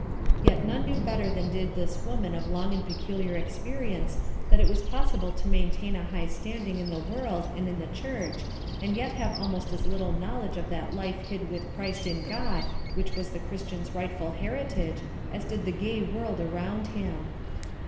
Yet none knew better than did this woman of long and peculiar experience that it was possible to maintain a high standing in the world and in the church and yet have almost as little knowledge of that life hid with Christ in God which was the Christian's rightful heritage as did the gay world around him.